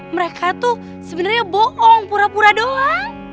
mereka tuh sebenarnya bohong pura pura doang